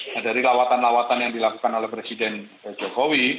nah dari lawatan lawatan yang dilakukan oleh presiden jokowi